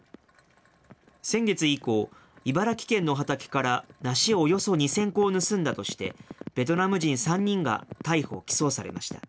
先月以降、茨城県の畑から梨およそ２０００個を盗んだとして、ベトナム人３人が逮捕・起訴されました。